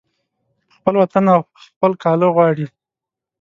په خپل وطن او خپل کاله غواړي